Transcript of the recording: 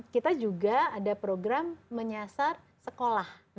kita juga ada program menyasar sekolah